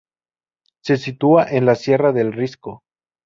Se sitúa en la Sierra del Risco.